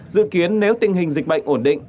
dự kiến nếu tình hình dịch bệnh ổn định